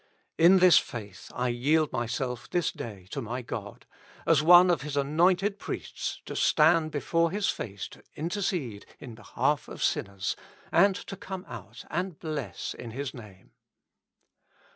In this faith I yield myself this day to my God, as one of His anointed priests, to stand before His face to intercede in behalf of sinners, and to come out and bless in His Name.